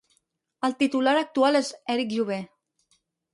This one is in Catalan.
El titular actual és Eric Jover.